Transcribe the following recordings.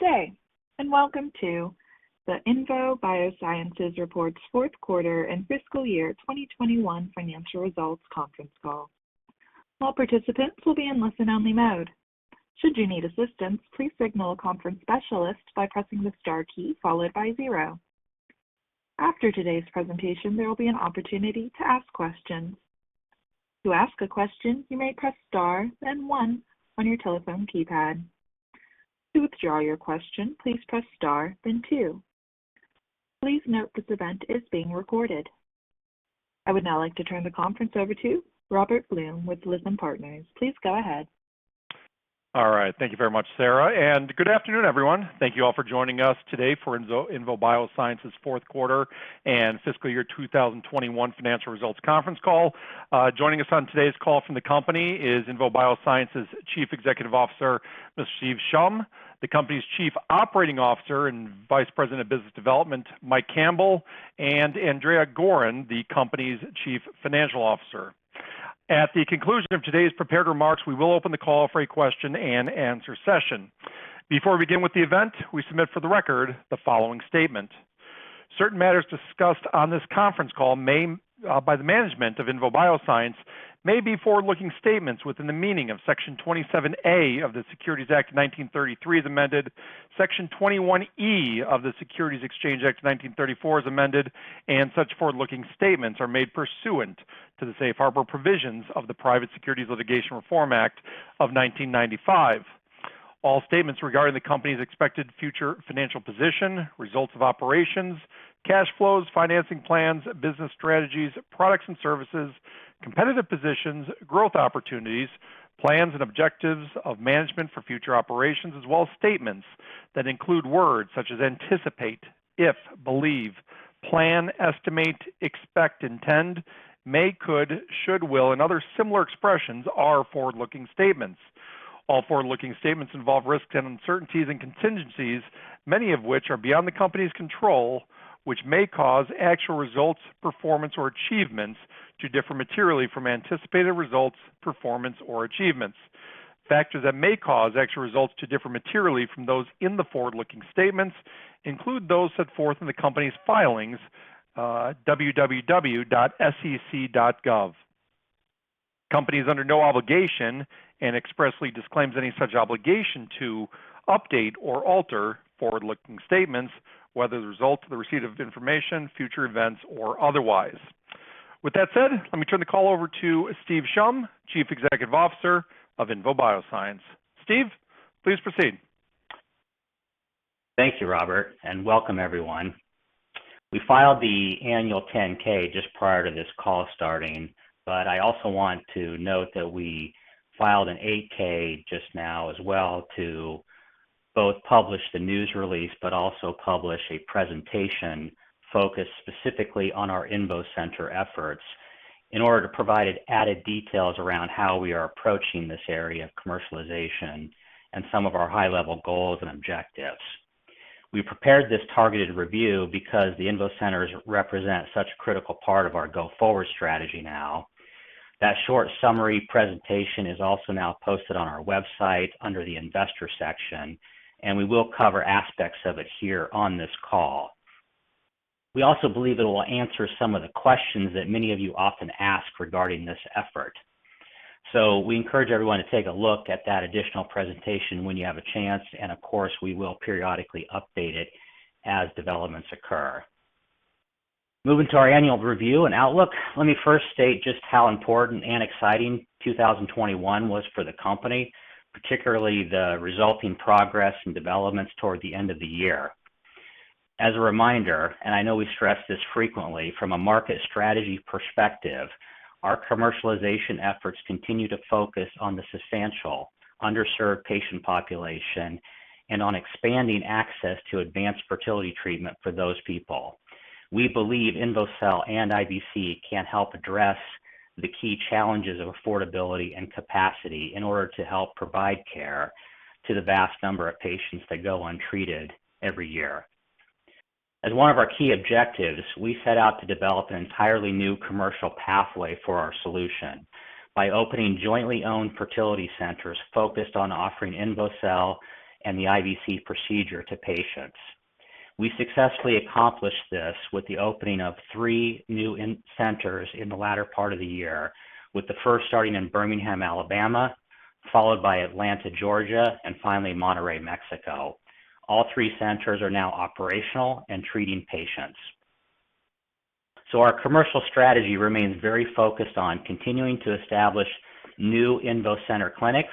Good day, and welcome to the INVO Bioscience Reports Fourth Quarter and Fiscal Year 2021 Financial Results Conference Call. All participants will be in listen-only mode. Should you need assistance, please signal a conference specialist by pressing the star key followed by 0. After today's presentation, there will be an opportunity to ask questions. To ask a question, you may press star then one on your telephone keypad. To withdraw your question, please press star then two. Please note this event is being recorded. I would now like to turn the conference over to Robert Blum with Lytham Partners. Please go ahead. All right. Thank you very much, Sarah, and good afternoon, everyone. Thank you all for joining us today for INVO Bioscience Fourth Quarter and Fiscal Year 2021 Financial Results Conference Call. Joining us on today's call from the company is INVO Bioscience Chief Executive Officer, Mr. Steve Shum, the company's Chief Operating Officer and Vice President of Business Development, Mike Campbell, and Andrea Goren, the company's Chief Financial Officer. At the conclusion of today's prepared remarks, we will open the call for a question and answer session. Before we begin with the event, we submit for the record the following statement. Certain matters discussed on this conference call by the management of INVO Bioscience may be forward-looking statements within the meaning of Section 27A of the Securities Act of 1933, as amended, Section 21E of the Securities Exchange Act of 1934, as amended, and such forward-looking statements are made pursuant to the safe harbor provisions of the Private Securities Litigation Reform Act of 1995. All statements regarding the company's expected future financial position, results of operations, cash flows, financing plans, business strategies, products and services, competitive positions, growth opportunities, plans and objectives of management for future operations, as well as statements that include words such as anticipate, if, believe, plan, estimate, expect, intend, may, could, should, will, and other similar expressions are forward-looking statements. All forward-looking statements involve risks and uncertainties and contingencies, many of which are beyond the company's control, which may cause actual results, performance or achievements to differ materially from anticipated results, performance or achievements. Factors that may cause actual results to differ materially from those in the forward-looking statements include those set forth in the company's filings, www.sec.gov. Company is under no obligation and expressly disclaims any such obligation to update or alter forward-looking statements, whether as a result of the receipt of information, future events, or otherwise. With that said, let me turn the call over to Steve Shum, Chief Executive Officer of INVO Bioscience. Steve, please proceed. Thank you, Robert, and welcome everyone. We filed the annual 10-K just prior to this call starting, but I also want to note that we filed an 8-K just now as well to both publish the news release, but also publish a presentation focused specifically on our INVO Center efforts in order to provide added details around how we are approaching this area of commercialization and some of our high-level goals and objectives. We prepared this targeted review because the INVO Centers represent such a critical part of our go-forward strategy now. That short summary presentation is also now posted on our website under the investor section, and we will cover aspects of it here on this call. We also believe it will answer some of the questions that many of you often ask regarding this effort. We encourage everyone to take a look at that additional presentation when you have a chance and, of course, we will periodically update it as developments occur. Moving to our annual review and outlook, let me first state just how important and exciting 2021 was for the company, particularly the resulting progress and developments toward the end of the year. As a reminder, and I know we stress this frequently, from a market strategy perspective, our commercialization efforts continue to focus on the substantial underserved patient population and on expanding access to advanced fertility treatment for those people. We believe INVOcell and IVC can help address the key challenges of affordability and capacity in order to help provide care to the vast number of patients that go untreated every year. As one of our key objectives, we set out to develop an entirely new commercial pathway for our solution by opening jointly owned fertility centers focused on offering INVOcell and the IVC procedure to patients. We successfully accomplished this with the opening of three new centers in the latter part of the year, with the first starting in Birmingham, Alabama, followed by Atlanta, Georgia, and finally Monterrey, Mexico. All three centers are now operational and treating patients. Our commercial strategy remains very focused on continuing to establish new INVO Center clinics,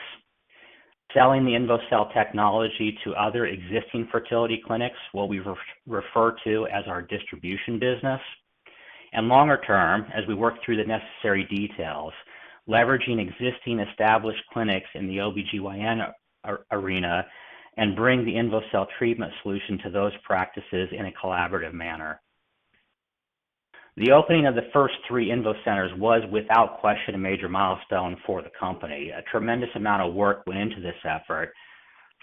selling the INVOcell technology to other existing fertility clinics, what we refer to as our distribution business, and longer term, as we work through the necessary details, leveraging existing established clinics in the OBGYN arena and bring the INVOcell treatment solution to those practices in a collaborative manner. The opening of the first three INVO Centers was, without question, a major milestone for the company. A tremendous amount of work went into this effort.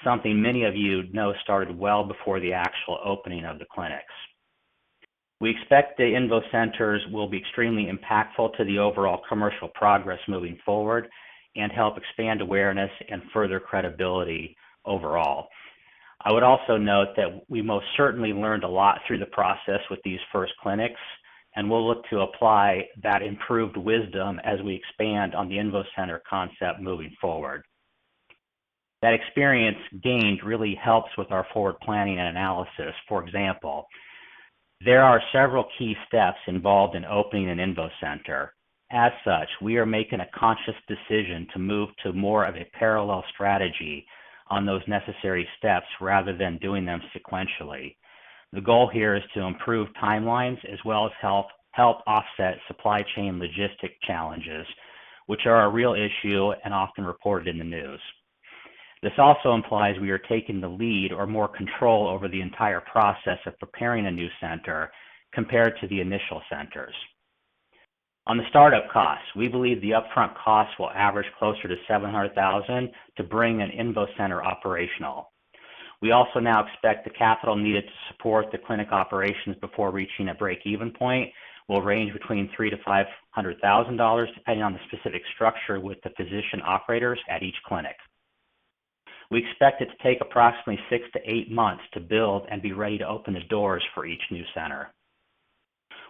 Something many of you know started well before the actual opening of the clinics. We expect the INVO Centers will be extremely impactful to the overall commercial progress moving forward and help expand awareness and further credibility overall. I would also note that we most certainly learned a lot through the process with these first clinics, and we'll look to apply that improved wisdom as we expand on the INVO Center concept moving forward. That experience gained really helps with our forward planning and analysis. For example, there are several key steps involved in opening an INVO Center. As such, we are making a conscious decision to move to more of a parallel strategy on those necessary steps rather than doing them sequentially. The goal here is to improve timelines as well as help offset supply chain logistic challenges, which are a real issue and often reported in the news. This also implies we are taking the lead or more control over the entire process of preparing a new center compared to the initial centers. On the startup costs, we believe the upfront costs will average closer to $700,000 to bring an INVO Center operational. We also now expect the capital needed to support the clinic operations before reaching a break-even point will range between $300,000-$500,000, depending on the specific structure with the physician operators at each clinic. We expect it to take approximately 6-8 months to build and be ready to open the doors for each new center.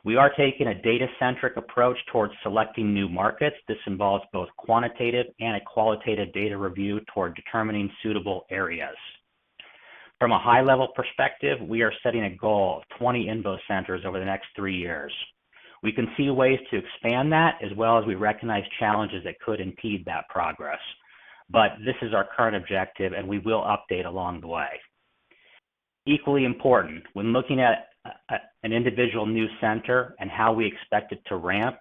We are taking a data-centric approach towards selecting new markets. This involves both quantitative and a qualitative data review toward determining suitable areas. From a high-level perspective, we are setting a goal of 20 INVO Centers over the next 3 years. We can see ways to expand that as well as we recognize challenges that could impede that progress. This is our current objective, and we will update along the way. Equally important, when looking at an individual new center and how we expect it to ramp,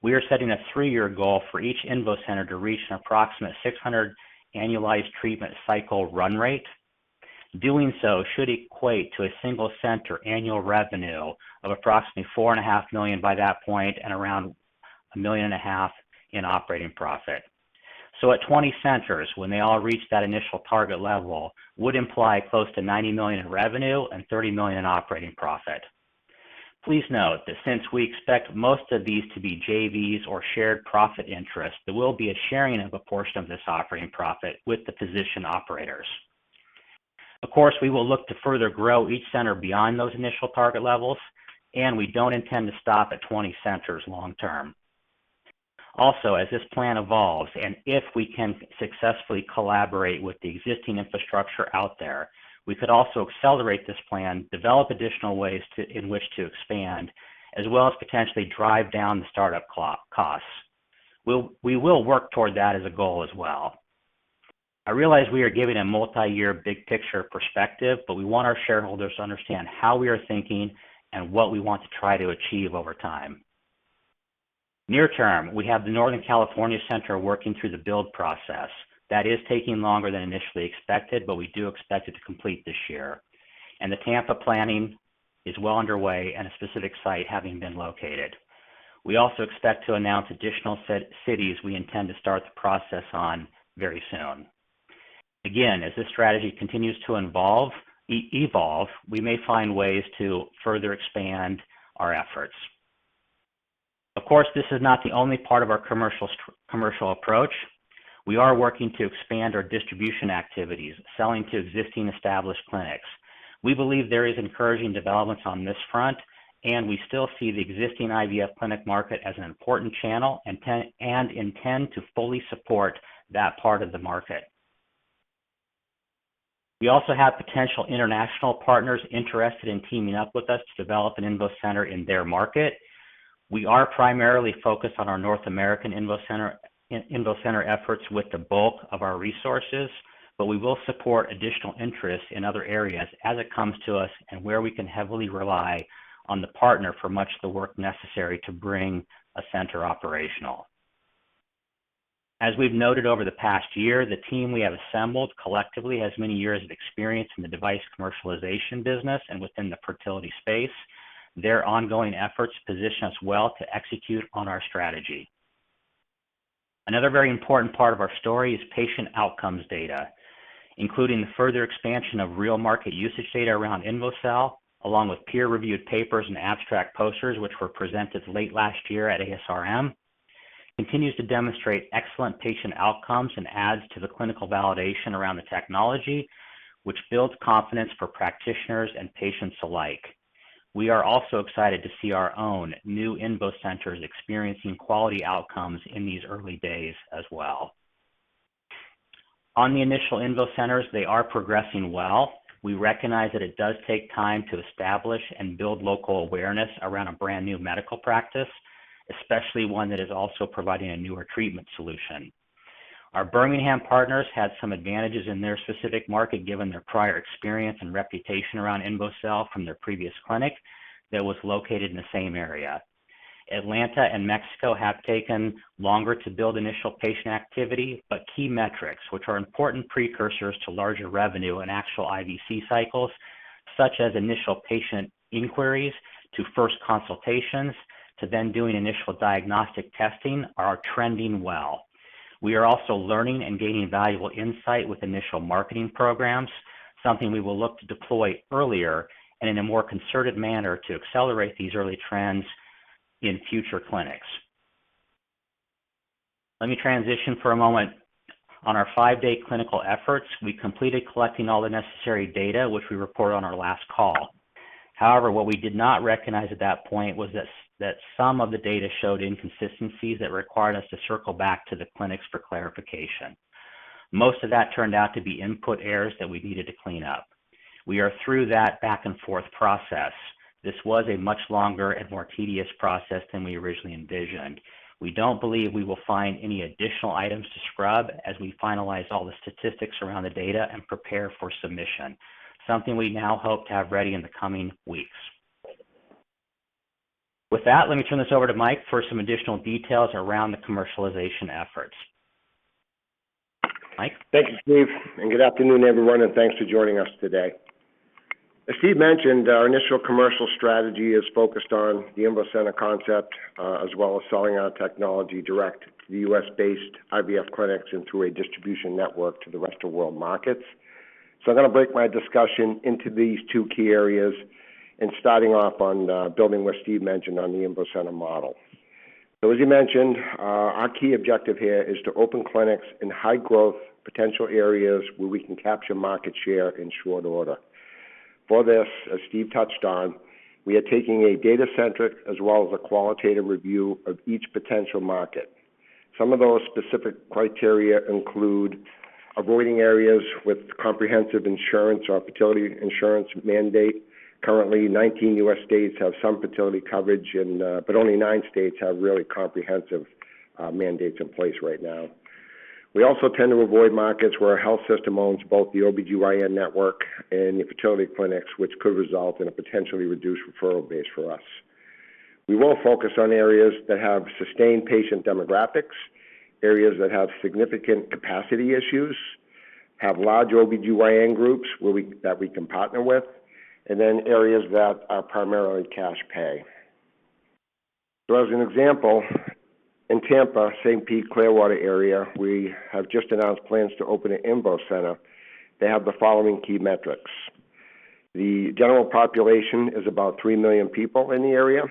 we are setting a 3-year goal for each INVO Center to reach an approximate 600 annualized treatment cycle run rate. Doing so should equate to a single center annual revenue of approximately $4.5 million by that point and around $1.5 million in operating profit. At 20 centers, when they all reach that initial target level, would imply close to $90 million in revenue and $30 million in operating profit. Please note that since we expect most of these to be JVs or shared profit interests, there will be a sharing of a portion of this operating profit with the physician operators. Of course, we will look to further grow each center beyond those initial target levels, and we don't intend to stop at 20 centers long term. Also, as this plan evolves, and if we can successfully collaborate with the existing infrastructure out there, we could also accelerate this plan, develop additional ways in which to expand, as well as potentially drive down the startup costs. We will work toward that as a goal as well. I realize we are giving a multi-year big picture perspective, but we want our shareholders to understand how we are thinking and what we want to try to achieve over time. Near term, we have the Northern California Center working through the build process. That is taking longer than initially expected, but we do expect it to complete this year. The Tampa planning is well underway and a specific site having been located. We also expect to announce additional cities we intend to start the process on very soon. Again, as this strategy continues to evolve, we may find ways to further expand our efforts. Of course, this is not the only part of our commercial approach. We are working to expand our distribution activities, selling to existing established clinics. We believe there is encouraging developments on this front, and we still see the existing IVF clinic market as an important channel and intend to fully support that part of the market. We also have potential international partners interested in teaming up with us to develop an INVO Center in their market. We are primarily focused on our North American INVO Center, INVO Center efforts with the bulk of our resources, but we will support additional interest in other areas as it comes to us and where we can heavily rely on the partner for much of the work necessary to bring a center operational. As we've noted over the past year, the team we have assembled collectively has many years of experience in the device commercialization business and within the fertility space. Their ongoing efforts position us well to execute on our strategy. Another very important part of our story is patient outcomes data, including the further expansion of real market usage data around INVOcell, along with peer-reviewed papers and abstract posters, which were presented late last year at ASRM, continues to demonstrate excellent patient outcomes and adds to the clinical validation around the technology, which builds confidence for practitioners and patients alike. We are also excited to see our own new INVO Centers experiencing quality outcomes in these early days as well. On the initial INVO Centers, they are progressing well. We recognize that it does take time to establish and build local awareness around a brand-new medical practice, especially one that is also providing a newer treatment solution. Our Birmingham partners had some advantages in their specific market, given their prior experience and reputation around INVOcell from their previous clinic that was located in the same area. Atlanta and Mexico have taken longer to build initial patient activity, but key metrics, which are important precursors to larger revenue and actual IVC cycles, such as initial patient inquiries to first consultations to then doing initial diagnostic testing, are trending well. We are also learning and gaining valuable insight with initial marketing programs, something we will look to deploy earlier and in a more concerted manner to accelerate these early trends in future clinics. Let me transition for a moment. On our five-day clinical efforts, we completed collecting all the necessary data, which we reported on our last call. However, what we did not recognize at that point was that some of the data showed inconsistencies that required us to circle back to the clinics for clarification. Most of that turned out to be input errors that we needed to clean up. We are through that back-and-forth process. This was a much longer and more tedious process than we originally envisioned. We don't believe we will find any additional items to scrub as we finalize all the statistics around the data and prepare for submission, something we now hope to have ready in the coming weeks. With that, let me turn this over to Mike for some additional details around the commercialization efforts. Mike? Thank you, Steve, and good afternoon, everyone, and thanks for joining us today. As Steve mentioned, our initial commercial strategy is focused on the INVO Center concept, as well as selling our technology direct to the U.S.-based IVF clinics and through a distribution network to the rest of world markets. I'm going to break my discussion into these two key areas and starting off on building what Steve mentioned on the INVO Center model. As he mentioned, our key objective here is to open clinics in high-growth potential areas where we can capture market share in short order. For this, as Steve touched on, we are taking a data-centric as well as a qualitative review of each potential market. Some of those specific criteria include avoiding areas with comprehensive insurance or fertility insurance mandate. Currently, 19 U.S. states have some fertility coverage and, Only nine states have really comprehensive mandates in place right now. We also tend to avoid markets where our health system owns both the OBGYN network and the fertility clinics, which could result in a potentially reduced referral base for us. We will focus on areas that have sustained patient demographics, areas that have significant capacity issues, have large OBGYN groups that we can partner with, and then areas that are primarily cash pay. As an example, in Tampa, St. Pete/Clearwater area, we have just announced plans to open an INVO Center that have the following key metrics. The general population is about 3 million people in the area,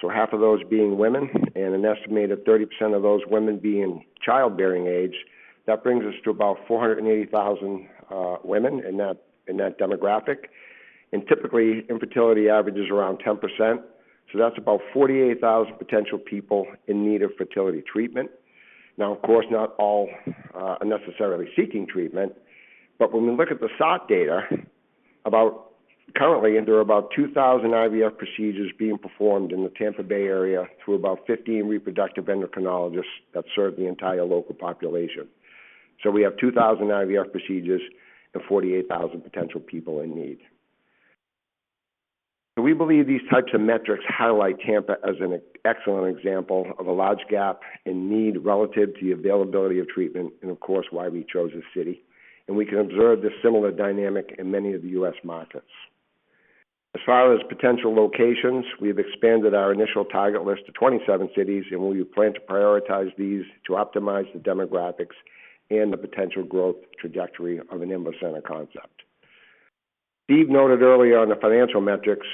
so half of those being women and an estimated 30% of those women being childbearing age, that brings us to about 480,000 women in that demographic. Typically, infertility averages around 10%, so that's about 48,000 potential people in need of fertility treatment. Now, of course, not all are necessarily seeking treatment, but when we look at the SART data, currently, there are about 2,000 IVF procedures being performed in the Tampa Bay area through about 15 reproductive endocrinologists that serve the entire local population. We have 2,000 IVF procedures and 48,000 potential people in need. We believe these types of metrics highlight Tampa as an excellent example of a large gap and need relative to the availability of treatment and of course, why we chose this city. We can observe this similar dynamic in many of the U.S. markets. As far as potential locations, we've expanded our initial target list to 27 cities, and we plan to prioritize these to optimize the demographics and the potential growth trajectory of an INVO Center concept. Steve noted earlier on the financial metrics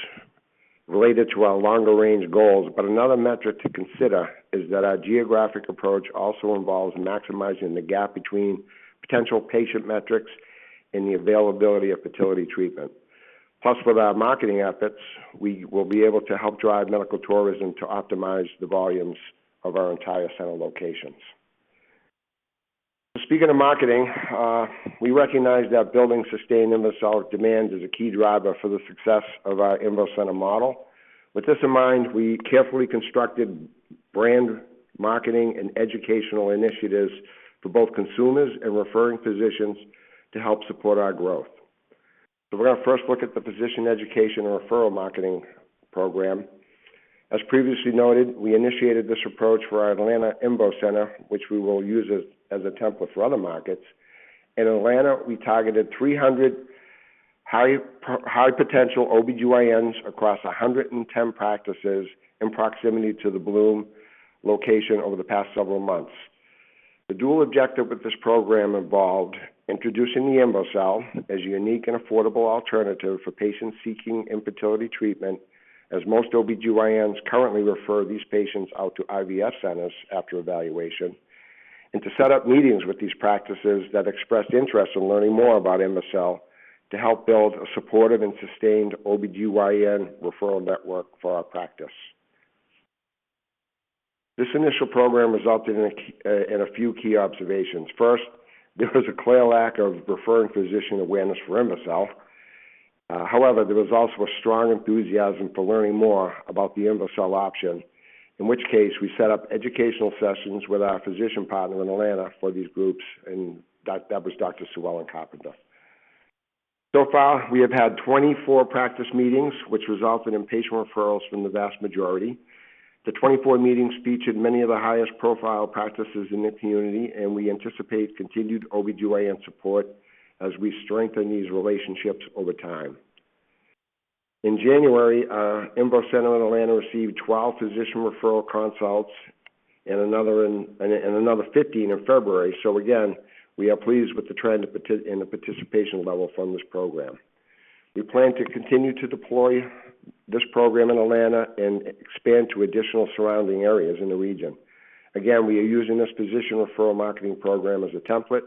related to our longer-range goals, but another metric to consider is that our geographic approach also involves maximizing the gap between potential patient metrics and the availability of fertility treatment. Plus, with our marketing efforts, we will be able to help drive medical tourism to optimize the volumes of our entire center locations. Speaking of marketing, we recognize that building sustained INVOcell demand is a key driver for the success of our INVO Center model. With this in mind, we carefully constructed brand marketing and educational initiatives for both consumers and referring physicians to help support our growth. We're going to first look at the physician education and referral marketing program. As previously noted, we initiated this approach for our Atlanta INVO Center, which we will use as a template for other markets. In Atlanta, we targeted 300 high-potential OBGYNs across 110 practices in proximity to the Bloom location over the past several months. The dual objective with this program involved introducing the INVOcell as a unique and affordable alternative for patients seeking infertility treatment, as most OBGYNs currently refer these patients out to IVF centers after evaluation. To set up meetings with these practices that expressed interest in learning more about INVOcell to help build a supportive and sustained OBGYN referral network for our practice. This initial program resulted in a few key observations. First, there was a clear lack of referring physician awareness for INVOcell. However, there was also a strong enthusiasm for learning more about the INVOcell option, in which case we set up educational sessions with our physician partner in Atlanta for these groups, and that was Dr. Sue Ellen C. Abbing. So far, we have had 24 practice meetings, which resulted in patient referrals from the vast majority. The 24 meetings featured many of the highest-profile practices in the community, and we anticipate continued OBGYN support as we strengthen these relationships over time. In January, our INVO Center in Atlanta received 12 physician referral consults and another 15 in February. So again, we are pleased with the trend and the participation level from this program. We plan to continue to deploy this program in Atlanta and expand to additional surrounding areas in the region. Again, we are using this physician referral marketing program as a template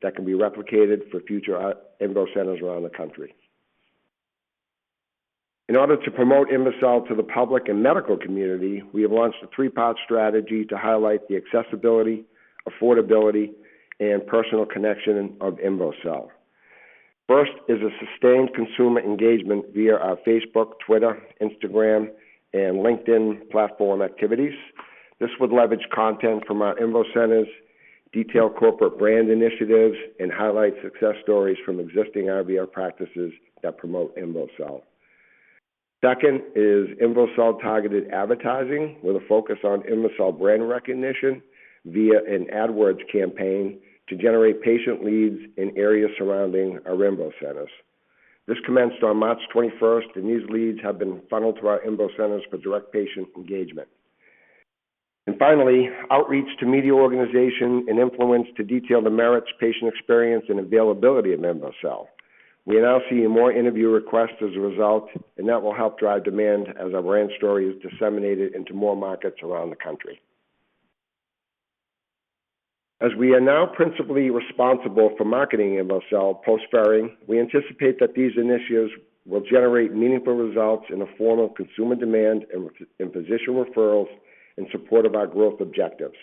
that can be replicated for future INVO centers around the country. In order to promote INVOcell to the public and medical community, we have launched a three-part strategy to highlight the accessibility, affordability, and personal connection of INVOcell. First is a sustained consumer engagement via our Facebook, Twitter, Instagram, and LinkedIn platform activities. This would leverage content from our INVO centers, detail corporate brand initiatives, and highlight success stories from existing IVF practices that promote INVOcell. Second is INVOcell targeted advertising with a focus on INVOcell brand recognition via an AdWords campaign to generate patient leads in areas surrounding our INVO centers. This commenced on March 21, and these leads have been funneled through our INVO centers for direct patient engagement. Finally, outreach to media organizations and influencers to detail the merits, patient experience, and availability of INVOcell. We are now seeing more interview requests as a result, and that will help drive demand as our brand story is disseminated into more markets around the country. As we are now principally responsible for marketing INVOcell post-Ferring, we anticipate that these initiatives will generate meaningful results in the form of consumer demand and physician referrals in support of our growth objectives.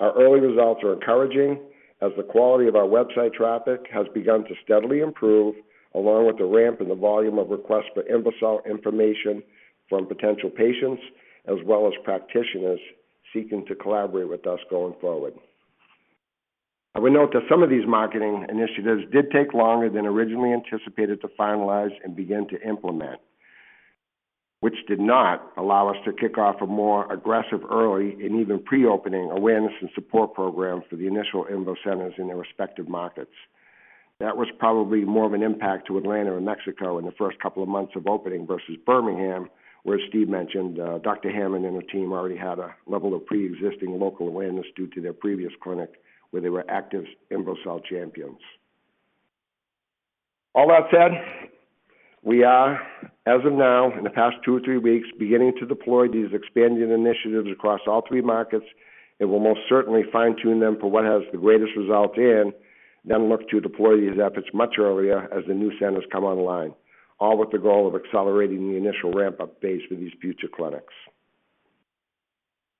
Our early results are encouraging as the quality of our website traffic has begun to steadily improve, along with the ramp in the volume of requests for INVOcell information from potential patients, as well as practitioners seeking to collaborate with us going forward. I would note that some of these marketing initiatives did take longer than originally anticipated to finalize and begin to implement, which did not allow us to kick off a more aggressive early and even pre-opening awareness and support program for the initial INVO centers in their respective markets. That was probably more of an impact to Atlanta and Mexico in the first couple of months of opening versus Birmingham, where Steve mentioned, Dr. Hammond and her team already had a level of pre-existing local awareness due to their previous clinic where they were active INVOcell champions. All that said, we are, as of now, in the past two or three weeks, beginning to deploy these expansion initiatives across all three markets and will most certainly fine-tune them for what has the greatest result in, then look to deploy these efforts much earlier as the new centers come online, all with the goal of accelerating the initial ramp-up phase for these future clinics.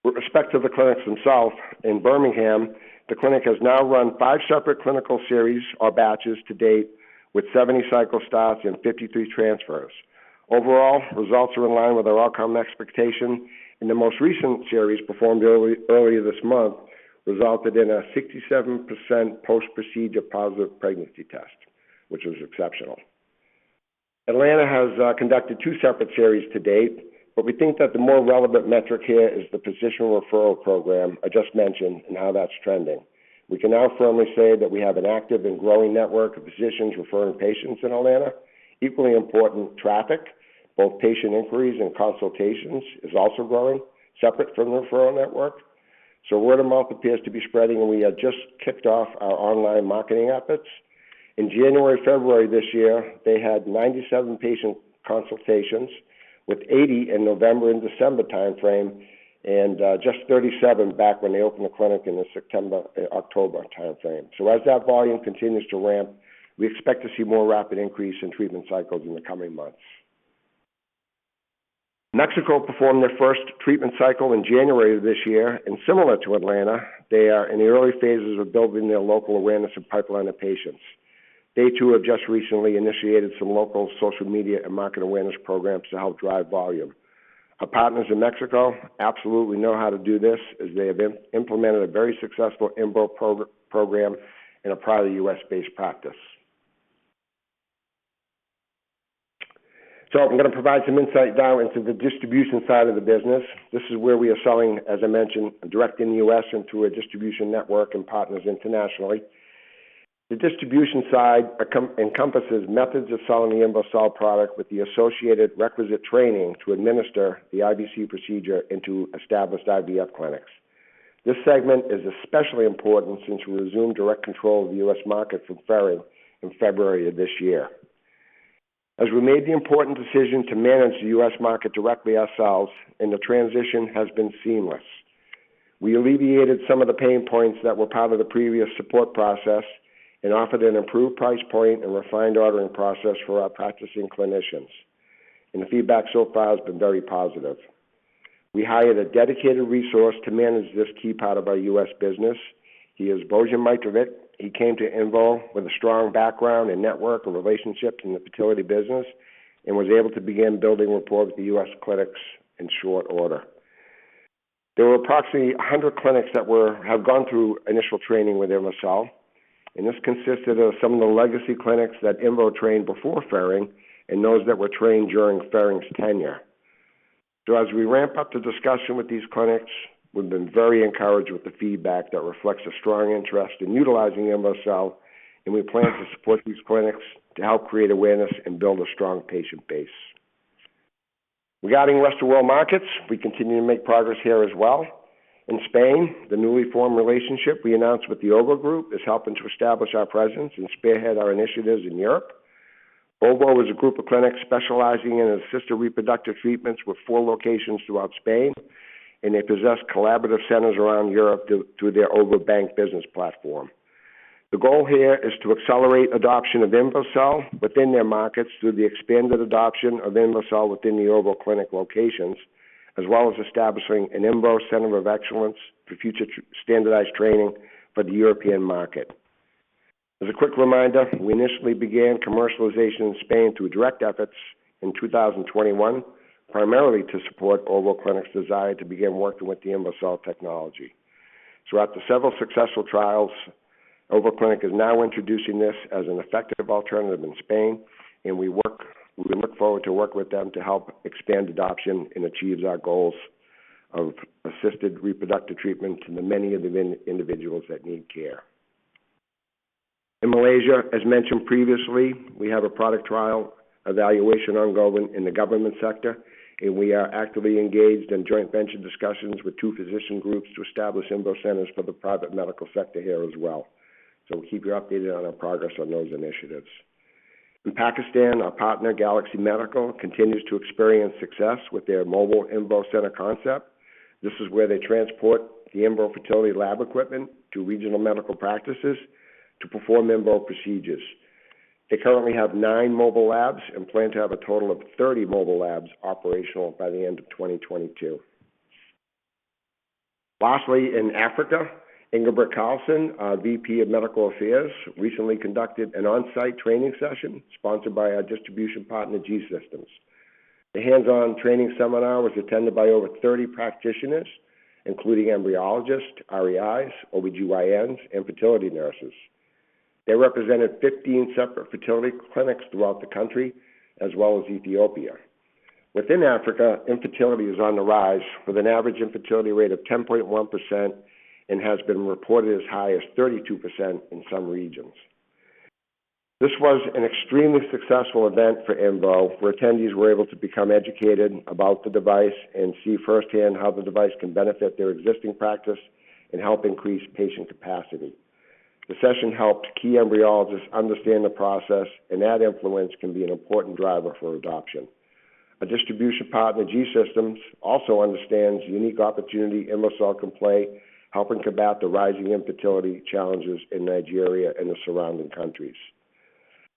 With respect to the clinics themselves, in Birmingham, the clinic has now run five separate clinical series or batches to date, with 70 cycle starts and 53 transfers. Overall, results are in line with our outcome expectation, and the most recent series performed early, earlier this month resulted in a 67% post-procedure positive pregnancy test, which was exceptional. Atlanta has conducted two separate series to date, but we think that the more relevant metric here is the physician referral program I just mentioned and how that's trending. We can now firmly say that we have an active and growing network of physicians referring patients in Atlanta. Equally important, traffic, both patient inquiries and consultations, is also growing separate from the referral network. Word of mouth appears to be spreading, and we have just kicked off our online marketing efforts. In January, February this year, they had 97 patient consultations, with 80 in November and December timeframe, and just 37 back when they opened the clinic in the September, October timeframe. As that volume continues to ramp, we expect to see more rapid increase in treatment cycles in the coming months. Mexico performed their first treatment cycle in January of this year, and similar to Atlanta, they are in the early phases of building their local awareness and pipeline of patients. They, too, have just recently initiated some local social media and market awareness programs to help drive volume. Our partners in Mexico absolutely know how to do this as they have implemented a very successful INVO program in a private U.S.-based practice. I'm going to provide some insight now into the distribution side of the business. This is where we are selling, as I mentioned, direct in the U.S. and through a distribution network and partners internationally. The distribution side encompasses methods of selling the INVOcell product with the associated requisite training to administer the IVC procedure into established IVF clinics. This segment is especially important since we resumed direct control of the U.S. market from Ferring in February of this year. As we made the important decision to manage the U.S. market directly ourselves and the transition has been seamless. We alleviated some of the pain points that were part of the previous support process and offered an improved price point and refined ordering process for our practicing clinicians. The feedback so far has been very positive. We hired a dedicated resource to manage this key part of our U.S. business. He is Bojan Mitrovic. He came to INVO with a strong background and network of relationships in the fertility business and was able to begin building rapport with the U.S. clinics in short order. There were approximately 100 clinics that have gone through initial training with INVOcell, and this consisted of some of the legacy clinics that INVO trained before Ferring and those that were trained during Ferring's tenure. As we ramp up the discussion with these clinics, we've been very encouraged with the feedback that reflects a strong interest in utilizing INVOcell, and we plan to support these clinics to help create awareness and build a strong patient base. Regarding rest-of-world markets, we continue to make progress here as well. In Spain, the newly formed relationship we announced with Ovoclinic is helping to establish our presence and spearhead our initiatives in Europe. Ovoclinic is a group of clinics specializing in assisted reproductive treatments with four locations throughout Spain, and they possess collaborative centers around Europe through their Ovobank business platform. The goal here is to accelerate adoption of INVOcell within their markets through the expanded adoption of INVOcell within the Ovoclinic locations, as well as establishing an INVO Center of excellence for future standardized training for the European market. As a quick reminder, we initially began commercialization in Spain through direct efforts in 2021, primarily to support Ovoclinic's desire to begin working with the INVOcell technology. Throughout the several successful trials, Ovoclinic is now introducing this as an effective alternative in Spain, and we look forward to working with them to help expand adoption and achieve our goals of assisted reproductive treatment to many of the individuals that need care. In Malaysia, as mentioned previously, we have a product trial evaluation ongoing in the government sector, and we are actively engaged in joint venture discussions with two physician groups to establish INVO centers for the private medical sector here as well. We'll keep you updated on our progress on those initiatives. In Pakistan, our partner, Galaxy Pharma, continues to experience success with their mobile INVO Center concept. This is where they transport the INVO Fertility lab equipment to regional medical practices to perform INVO procedures. They currently have 9 mobile labs and plan to have a total of 30 mobile labs operational by the end of 2022. Lastly, in Africa, Inger Britt Carlsson, our VP of Medical Affairs, recently conducted an on-site training session sponsored by our distribution partner, G-Systems. The hands-on training seminar was attended by over 30 practitioners, including embryologists, REIs, OBGYNs, and fertility nurses. They represented 15 separate fertility clinics throughout the country, as well as Ethiopia. Within Africa, infertility is on the rise with an average infertility rate of 10.1% and has been reported as high as 32% in some regions. This was an extremely successful event for INVO, where attendees were able to become educated about the device and see firsthand how the device can benefit their existing practice and help increase patient capacity. The session helped key embryologists understand the process, and that influence can be an important driver for adoption. Our distribution partner, G-Systems, also understands the unique opportunity INVOcell can play, helping combat the rising infertility challenges in Nigeria and the surrounding countries.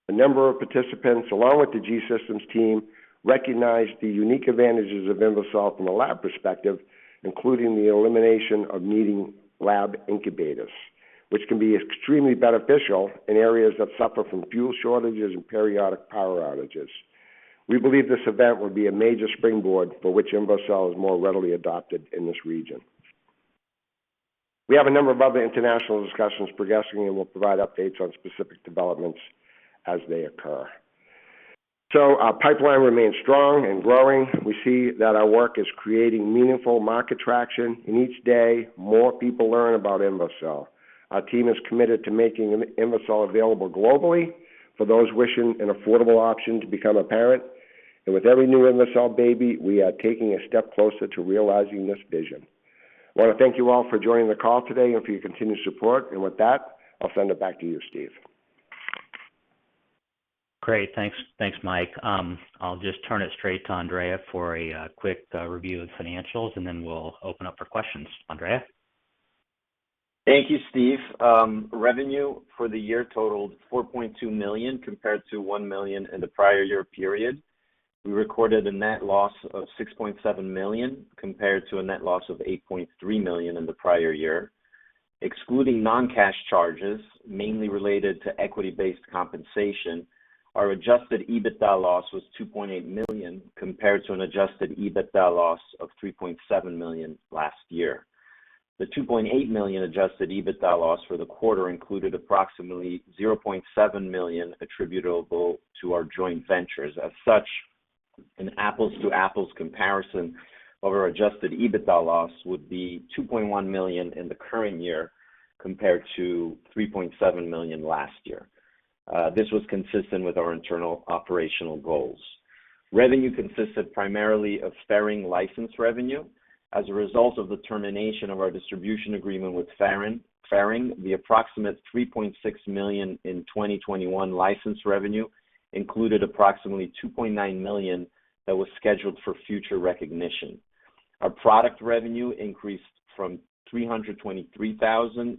A number of participants, along with the G-Systems team, recognized the unique advantages of INVOcell from a lab perspective, including the elimination of needing lab incubators, which can be extremely beneficial in areas that suffer from fuel shortages and periodic power outages. We believe this event will be a major springboard for which INVOcell is more readily adopted in this region. We have a number of other international discussions progressing, and we'll provide updates on specific developments as they occur. Our pipeline remains strong and growing. We see that our work is creating meaningful market traction, and each day, more people learn about INVOcell. Our team is committed to making INVOcell available globally for those wishing an affordable option to become a parent. With every new INVOcell baby, we are taking a step closer to realizing this vision. I want to thank you all for joining the call today and for your continued support. With that, I'll send it back to you, Steve. Great. Thanks, Mike. I'll just turn it straight to Andrea for a quick review of financials, and then we'll open up for questions. Andrea? Thank you, Steve. Revenue for the year totaled $4.2 million, compared to $1 million in the prior year period. We recorded a net loss of $6.7 million, compared to a net loss of $8.3 million in the prior year. Excluding non-cash charges, mainly related to equity-based compensation, our adjusted EBITDA loss was $2.8 million, compared to an adjusted EBITDA loss of $3.7 million last year. The $2.8 million adjusted EBITDA loss for the quarter included approximately $0.7 million attributable to our joint ventures. As such, an apples-to-apples comparison of our adjusted EBITDA loss would be $2.1 million in the current year compared to $3.7 million last year. This was consistent with our internal operational goals. Revenue consisted primarily of Ferring license revenue. As a result of the termination of our distribution agreement with Ferring, the approximate $3.6 million in 2021 license revenue included approximately $2.9 million that was scheduled for future recognition. Our product revenue increased from $323,000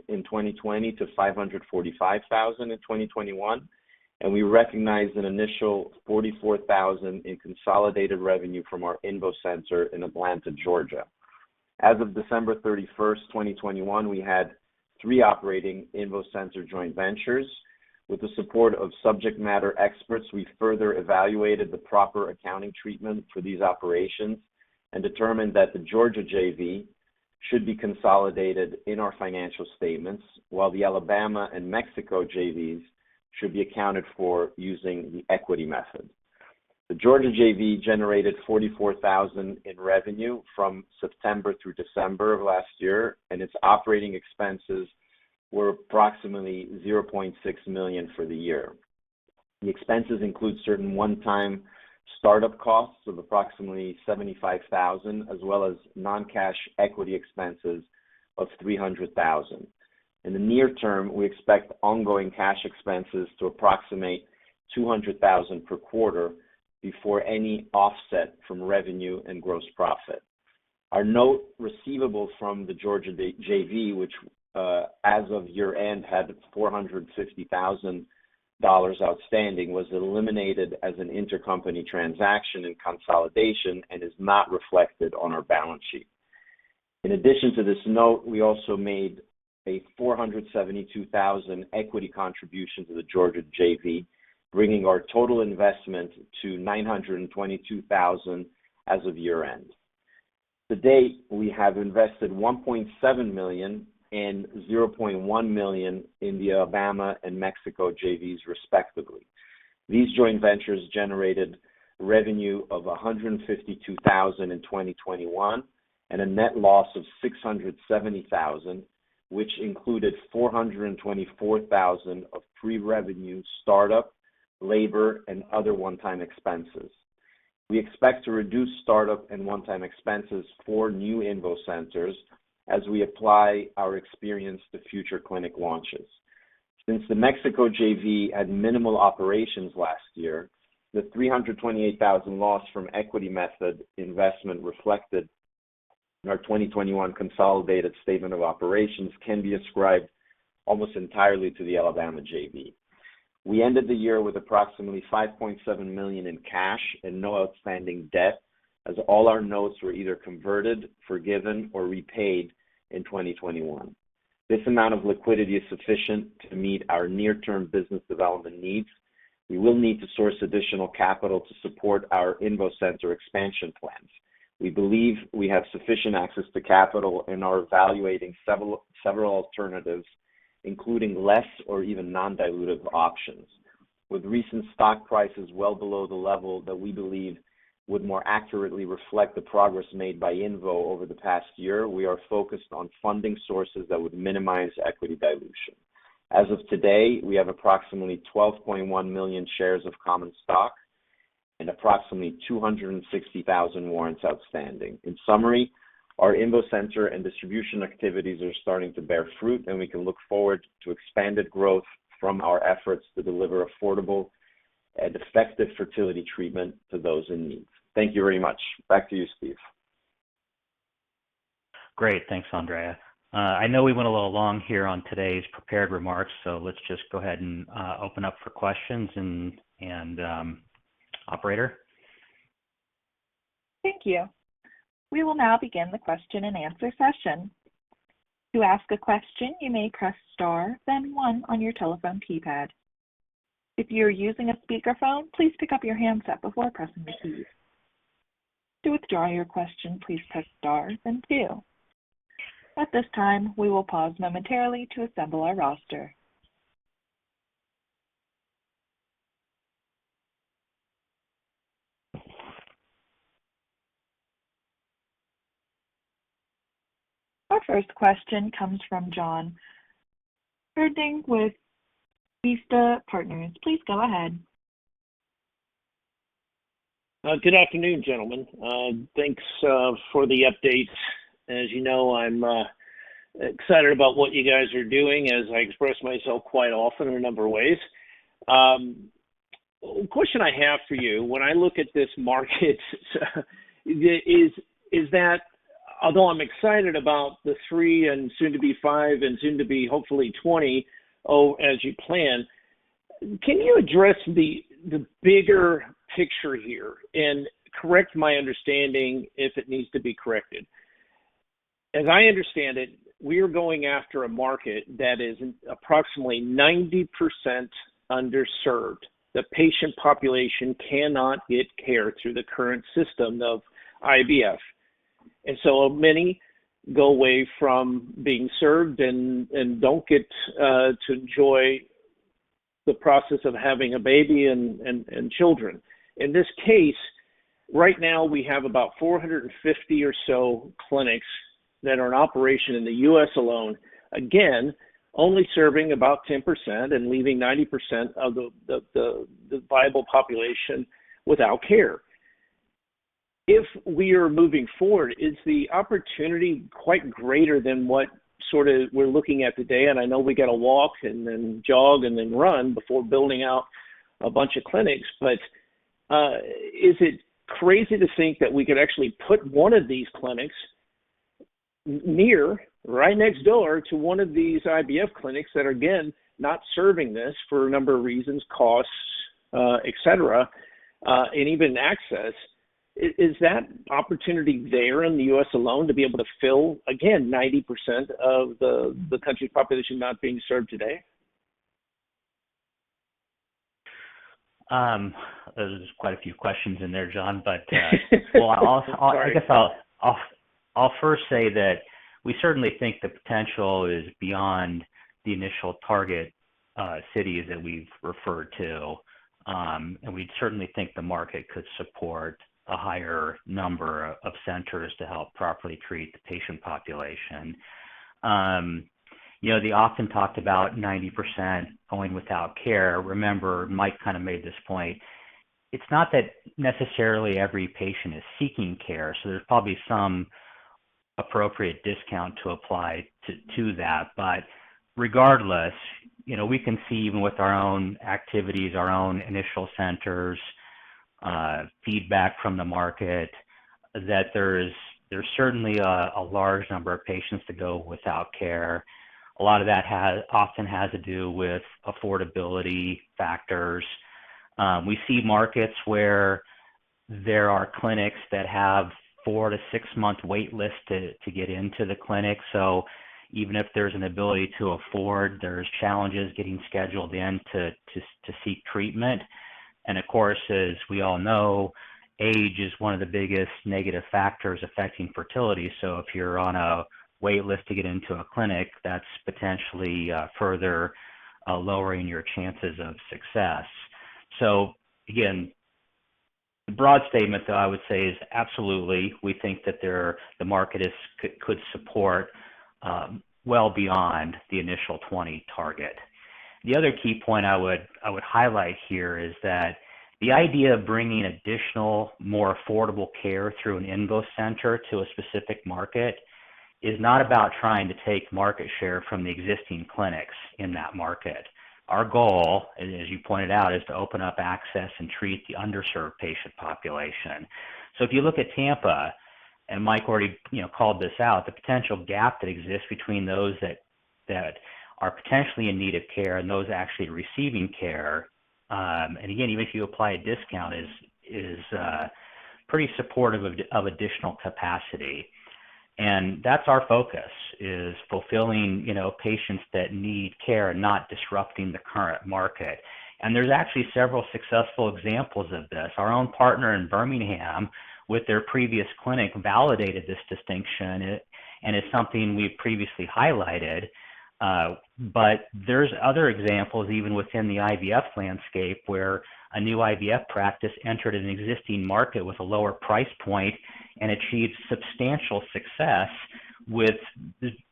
in 2020 to $545,000 in 2021, and we recognized an initial $44,000 in consolidated revenue from our INVO Center in Atlanta, Georgia. As of December 31, 2021, we had 3 operating INVO Center joint ventures. With the support of subject matter experts, we further evaluated the proper accounting treatment for these operations and determined that the Georgia JV should be consolidated in our financial statements, while the Alabama and Mexico JVs should be accounted for using the equity method. The Georgia JV generated $44,000 in revenue from September through December of last year, and its operating expenses were approximately $0.6 million for the year. The expenses include certain one-time start-up costs of approximately $75,000, as well as non-cash equity expenses of $300,000. In the near term, we expect ongoing cash expenses to approximate $200,000 per quarter before any offset from revenue and gross profit. Our note receivable from the Georgia JV, which, as of year-end had $450,000 outstanding, was eliminated as an intercompany transaction in consolidation and is not reflected on our balance sheet. In addition to this note, we also made a $472,000 equity contribution to the Georgia JV, bringing our total investment to $922,000 as of year-end. To date, we have invested $1.7 million and $0.1 million in the Alabama and Mexico JVs respectively. These joint ventures generated revenue of $152,000 in 2021 and a net loss of $670,000, which included $424,000 of pre-revenue start-up, labor, and other one-time expenses. We expect to reduce start-up and one-time expenses for new INVO centers as we apply our experience to future clinic launches. Since the Mexico JV had minimal operations last year, the $328,000 loss from equity method investment reflected in our 2021 consolidated statement of operations can be ascribed almost entirely to the Alabama JV. We ended the year with approximately $5.7 million in cash and no outstanding debt, as all our notes were either converted, forgiven, or repaid in 2021. This amount of liquidity is sufficient to meet our near-term business development needs. We will need to source additional capital to support our INVO Center expansion plans. We believe we have sufficient access to capital and are evaluating several alternatives, including less or even non-dilutive options. With recent stock prices well below the level that we believe would more accurately reflect the progress made by INVO over the past year, we are focused on funding sources that would minimize equity dilution. As of today, we have approximately 12.1 million shares of common stock and approximately 260,000 warrants outstanding. In summary, our INVO Center and distribution activities are starting to bear fruit, and we can look forward to expanded growth from our efforts to deliver affordable and effective fertility treatment to those in need. Thank you very much. Back to you, Steve. Great. Thanks, Andrea. I know we went a little long here on today's prepared remarks, so let's just go ahead and open up for questions and Operator? Thank you. We will now begin the question and answer session. To ask a question, you may press star then one on your telephone keypad. If you are using a speakerphone, please pick up your handset before pressing the keys. To withdraw your question, please press star then two. At this time, we will pause momentarily to assemble our roster. Our first question comes from John Heerdink with Vista Partners. Please go ahead. Good afternoon, gentlemen. Thanks for the updates. As you know, I'm excited about what you guys are doing, as I express myself quite often in a number of ways. Question I have for you, when I look at this market, is that although I'm excited about the 3 and soon to be 5 and soon to be hopefully 20, as you plan, can you address the bigger picture here and correct my understanding if it needs to be corrected? As I understand it, we are going after a market that is approximately 90% underserved. The patient population cannot get care through the current system of IVF. So many go away from being served and don't get to enjoy the process of having a baby and children. In this case, right now we have about 450 or so clinics that are in operation in the U.S. alone, again, only serving about 10% and leaving 90% of the viable population without care. If we are moving forward, is the opportunity quite greater than what sort of we're looking at today? I know we gotta walk and then jog and then run before building out a bunch of clinics, but is it crazy to think that we could actually put one of these clinics near, right next door to one of these IVF clinics that are, again, not serving this for a number of reasons, costs, et cetera, and even access. Is that opportunity there in the U.S. alone to be able to fill, again, 90% of the country's population not being served today? There's quite a few questions in there, John. Sorry Well, I'll first say that we certainly think the potential is beyond the initial target cities that we've referred to. We'd certainly think the market could support a higher number of centers to help properly treat the patient population. You know, they often talked about 90% going without care. Remember, Mike kind of made this point, it's not that necessarily every patient is seeking care, so there's probably some appropriate discount to apply to that. Regardless, you know, we can see even with our own activities, our own initial centers, feedback from the market, that there's certainly a large number of patients that go without care. A lot of that often has to do with affordability factors. We see markets where there are clinics that have 4- to 6-month wait list to get into the clinic. Even if there's an ability to afford, there's challenges getting scheduled in to seek treatment. Of course, as we all know, age is one of the biggest negative factors affecting fertility. If you're on a wait list to get into a clinic, that's potentially further lowering your chances of success. Again, the broad statement that I would say is absolutely, we think that the market could support well beyond the initial 20 target. The other key point I would highlight here is that the idea of bringing additional, more affordable care through an INVO Center to a specific market is not about trying to take market share from the existing clinics in that market. Our goal, as you pointed out, is to open up access and treat the underserved patient population. If you look at Tampa, and Mike already, you know, called this out, the potential gap that exists between those that are potentially in need of care and those actually receiving care, and again, even if you apply a discount, is pretty supportive of additional capacity. That's our focus, is fulfilling, you know, patients that need care, not disrupting the current market. There's actually several successful examples of this. Our own partner in Birmingham with their previous clinic validated this distinction, and it's something we've previously highlighted. There's other examples, even within the IVF landscape, where a new IVF practice entered an existing market with a lower price point and achieved substantial success with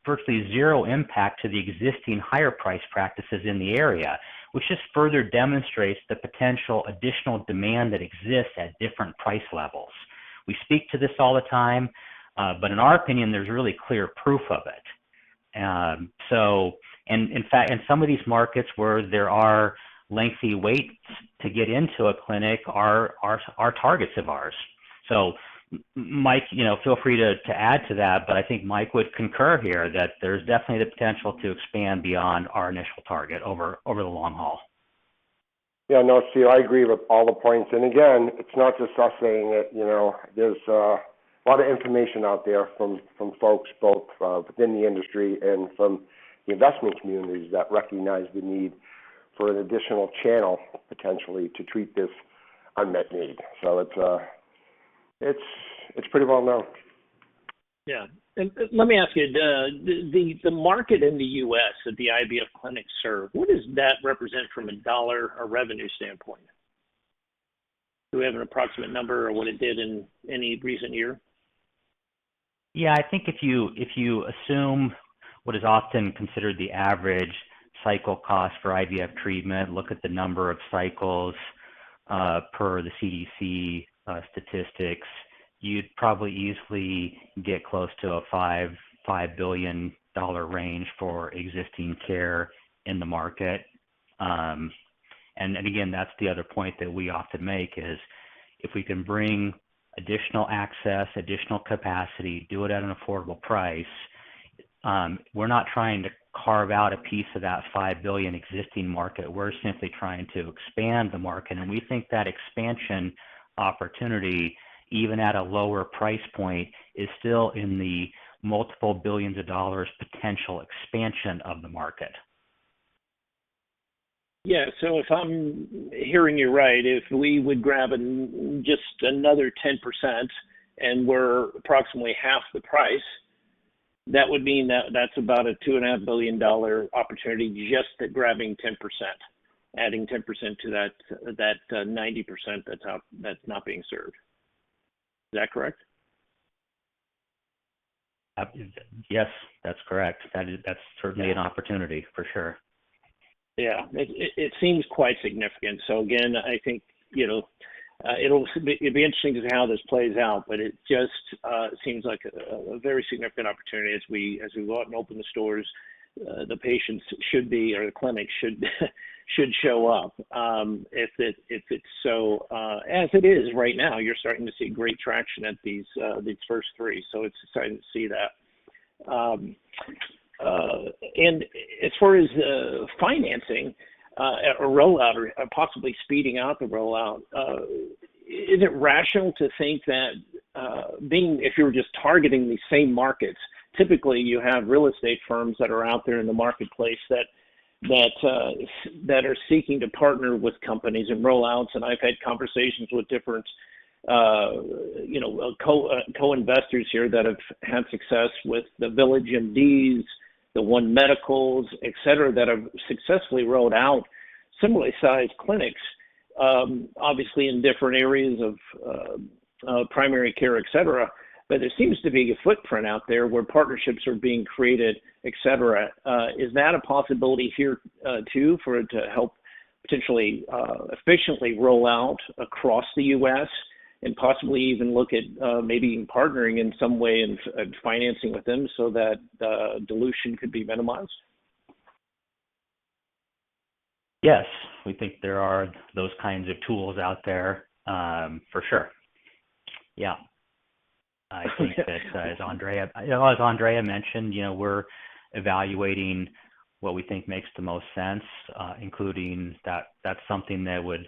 virtually zero impact to the existing higher price practices in the area, which just further demonstrates the potential additional demand that exists at different price levels. We speak to this all the time, in our opinion, there's really clear proof of it. In fact, in some of these markets where there are lengthy waits to get into a clinic are targets of ours. Mike, you know, feel free to add to that, but I think Mike would concur here that there's definitely the potential to expand beyond our initial target over the long haul. Yeah. No, Steve, I agree with all the points. Again, it's not just us saying it, you know. There's a lot of information out there from folks both within the industry and from the investment communities that recognize the need for an additional channel potentially to treat this unmet need. It's pretty well known. Yeah. Let me ask you, the market in the U.S. that the IVF clinics serve, what does that represent from a dollar or revenue standpoint? Do we have an approximate number or what it did in any recent year? Yeah. I think if you assume what is often considered the average cycle cost for IVF treatment, look at the number of cycles per the CDC statistics, you'd probably easily get close to a $5 billion range for existing care in the market. Again, that's the other point that we often make is, if we can bring additional access, additional capacity, do it at an affordable price, we're not trying to carve out a piece of that $5 billion existing market. We're simply trying to expand the market. We think that expansion opportunity, even at a lower price point, is still in the multiple billions of dollars potential expansion of the market. Yeah. If I'm hearing you right, if we would grab just another 10% and we're approximately half the price, that would mean that that's about a $2.5 billion opportunity just at grabbing 10%, adding 10% to that 90% that's out, that's not being served. Is that correct? Yes, that's correct. That's certainly an opportunity, for sure. Yeah. It seems quite significant. Again, I think, you know, it'll be interesting to see how this plays out, but it just seems like a very significant opportunity as we go out and open the stores, the patients should be, or the clinic should show up. If it's so as it is right now, you're starting to see great traction at these first three, so it's exciting to see that. As far as financing or rollout, and possibly speeding up the rollout, is it rational to think that if you were just targeting these same markets, typically you have real estate firms that are out there in the marketplace that are seeking to partner with companies and roll-outs. I've had conversations with different, you know, co-investors here that have had success with the VillageMDs, the One Medicals, et cetera, that have successfully rolled out similarly sized clinics, obviously in different areas of primary care, et cetera. There seems to be a footprint out there where partnerships are being created, et cetera. Is that a possibility here, too, for it to help potentially efficiently roll out across the U.S. and possibly even look at maybe partnering in some way and financing with them so that dilution could be minimized? Yes. We think there are those kinds of tools out there, for sure. Yeah. I think that as Andrea mentioned, you know, we're evaluating what we think makes the most sense, including that's something that would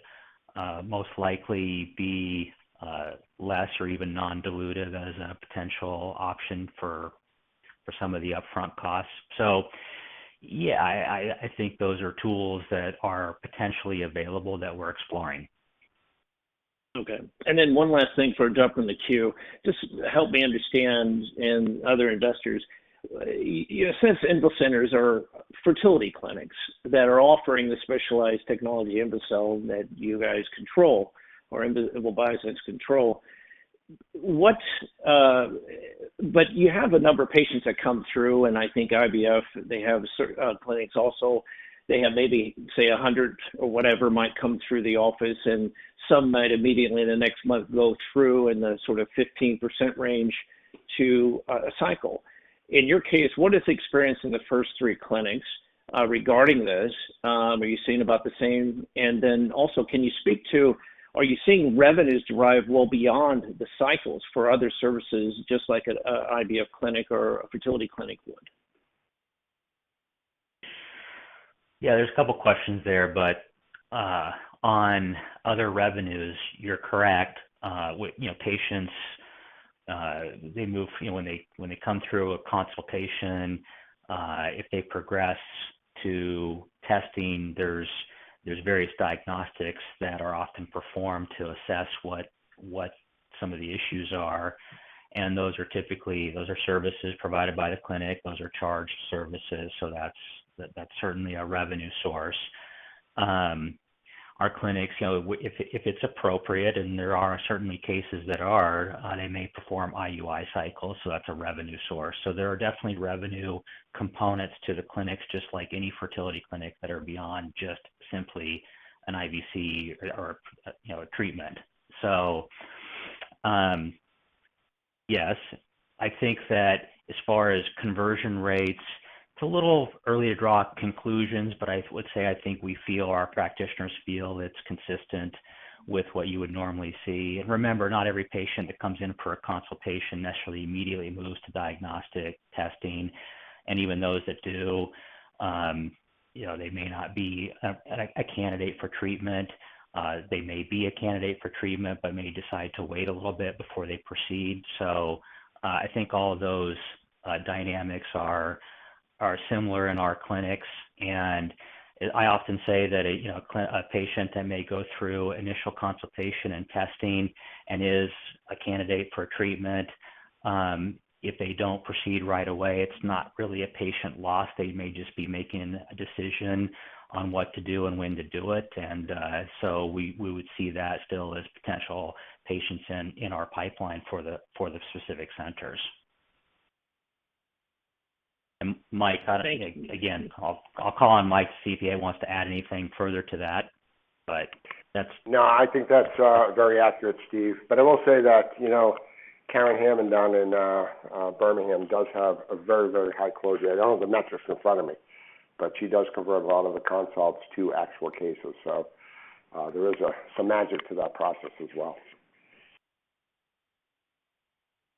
most likely be less or even non-dilutive as a potential option for some of the upfront costs. Yeah, I think those are tools that are potentially available that we're exploring. Okay. One last thing for a jump in the queue. Just help me understand and other investors, you know, since INVO Centers are fertility clinics that are offering the specialized technology INVOcell that you guys control or INVO Bioscience control, what. You have a number of patients that come through, and I think IVF, they have certain clinics also. They have maybe, say, 100 or whatever might come through the office, and some might immediately in the next month go through in the sort of 15% range to a cycle. In your case, what is the experience in the first three clinics regarding this. Are you seeing about the same. Can you speak to, are you seeing revenues derive well beyond the cycles for other services, just like a IVF clinic or a fertility clinic would? Yeah, there's a couple questions there, but on other revenues, you're correct. With, you know, patients, they move, you know, when they come through a consultation, if they progress to testing, there's various diagnostics that are often performed to assess what some of the issues are. Those are typically services provided by the clinic. Those are charged services. That's certainly a revenue source. Our clinics, you know, if it's appropriate, and there are certainly cases that are they may perform IUI cycles, so that's a revenue source. There are definitely revenue components to the clinics, just like any fertility clinic that are beyond just simply an IVC or, you know, a treatment. Yes. I think that as far as conversion rates, it's a little early to draw conclusions, but I would say I think we feel our practitioners feel it's consistent with what you would normally see. Remember, not every patient that comes in for a consultation necessarily immediately moves to diagnostic testing. Even those that do, you know, they may not be a candidate for treatment. They may be a candidate for treatment but may decide to wait a little bit before they proceed. I think all of those dynamics are similar in our clinics. I often say that a, you know, patient that may go through initial consultation and testing and is a candidate for treatment, if they don't proceed right away, it's not really a patient loss. They may just be making a decision on what to do and when to do it. We would see that still as potential patients in our pipeline for the specific centers. Mike, again, I'll call on Mike to see if he wants to add anything further to that, but that's- No, I think that's very accurate, Steve. I will say that, you know, Karen Hammond down in Birmingham does have a very, very high closure. I don't have the metrics in front of me, but she does convert a lot of the consults to actual cases. There is some magic to that process as well.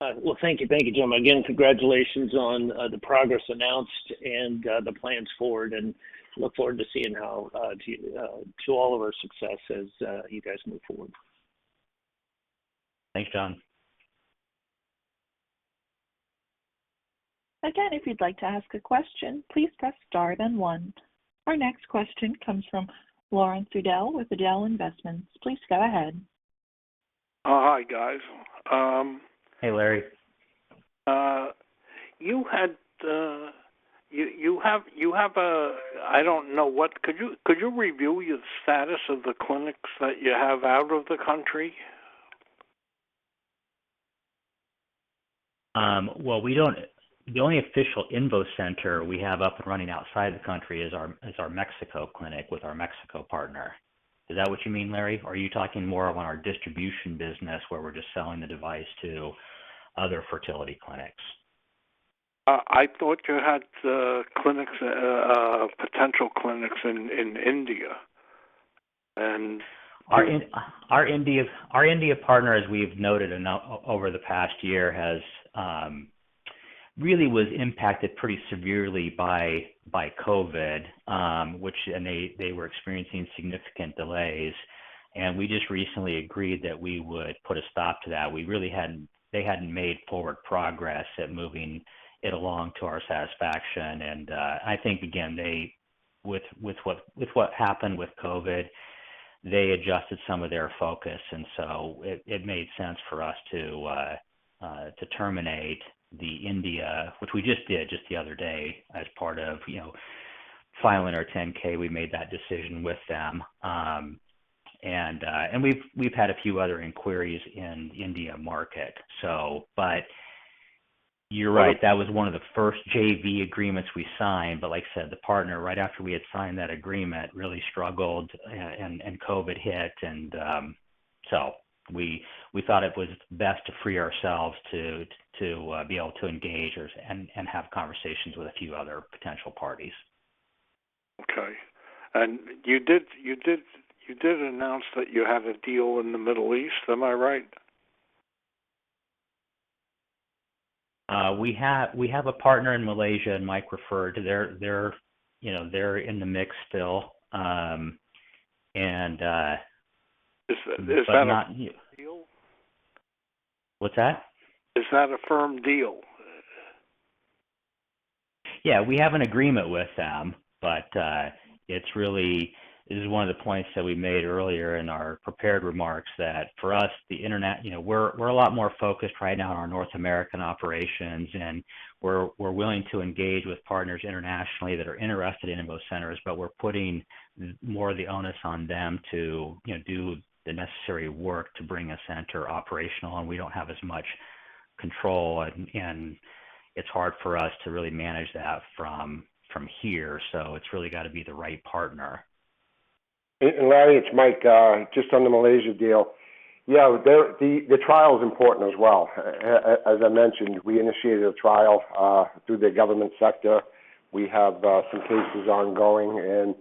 Well, thank you. Thank you, gentlemen. Again, congratulations on the progress announced and the plans forward, and look forward to seeing how to all of our success as you guys move forward. Thanks, John. Again, if you'd like to ask a question, please press star then one. Our next question comes from Lawrence Udell with Udell Investments. Please go ahead. Oh, hi, guys. Hey, Larry. You have a I don't know what. Could you review your status of the clinics that you have out of the country? Well, the only official INVO Center we have up and running outside the country is our Mexico clinic with our Mexico partner. Is that what you mean, Larry? Or are you talking more on our distribution business, where we're just selling the device to other fertility clinics? I thought you had clinics, potential clinics in India and Our In- So- Our India partner, as we've noted over the past year, has really been impacted pretty severely by COVID, and they were experiencing significant delays. We just recently agreed that we would put a stop to that. They hadn't made forward progress at moving it along to our satisfaction. I think again, with what happened with COVID, they adjusted some of their focus. It made sense for us to terminate the India, which we just did just the other day as part of, you know, filing our 10-K. We made that decision with them. We've had a few other inquiries in Indian market. You're right, that was one of the first JV agreements we signed. Like I said, the partner, right after we had signed that agreement, really struggled and COVID hit. We thought it was best to free ourselves to be able to engage and have conversations with a few other potential parties. Okay. You did announce that you have a deal in the Middle East. Am I right? We have a partner in Malaysia, and Mike referred. They're, you know, in the mix still. Is that a firm deal? What's that? Is that a firm deal? Yeah. We have an agreement with them, but it's really. This is one of the points that we made earlier in our prepared remarks that for us, the internet, you know, we're a lot more focused right now on our North American operations, and we're willing to engage with partners internationally that are interested in those centers, but we're putting more of the onus on them to, you know, do the necessary work to bring a center operational. We don't have as much control and it's hard for us to really manage that from here. It's really got to be the right partner. Larry, it's Mike. Just on the Malaysia deal. Yeah, the trial is important as well. As I mentioned, we initiated a trial through the government sector. We have some cases ongoing